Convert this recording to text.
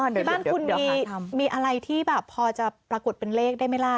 ที่บ้านคุณมีอะไรที่แบบพอจะปรากฏเป็นเลขได้ไหมล่ะ